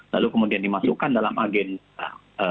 lalu kemudian dimasukkan dalam agenda